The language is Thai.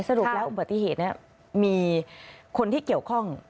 สรุปแล้วอุบัติเหตุนี้มีคนที่เกี่ยวข้อง